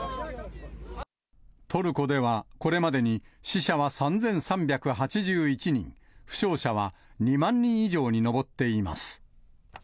トルコでは、これまでに死者は３３８１人、負傷者は２万人以上に上っています。